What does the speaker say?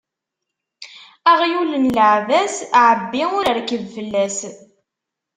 Aɣyul n leɛbas, ɛebbi u rkeb fell-as.